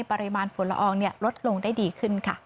ปริมาณฝุ่นละอองลดลงได้ดีขึ้นค่ะ